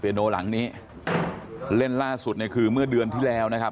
โนหลังนี้เล่นล่าสุดเนี่ยคือเมื่อเดือนที่แล้วนะครับ